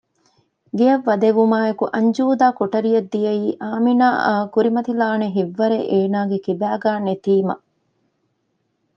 ގެއަށް ވަދެވުމާއެކު އަންޖޫދާ ކޮޓަރިއަށް ދިއައީ އާމިނާއާ ކުރިމަތިލާނެ ހިތްވަރެއް އޭނާގެ ކިބައިގައި ނެތީމަ